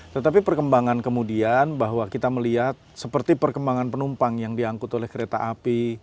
tetapi perkembangan kemudian bahwa kita melihat seperti perkembangan penumpang yang diangkut oleh kereta api